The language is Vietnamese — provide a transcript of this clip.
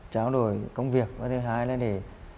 trao đổi công việc và thứ hai là để